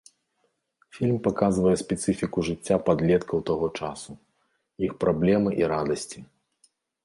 Фільм паказвае спецыфіку жыцця падлеткаў таго часу, іх праблемы і радасці.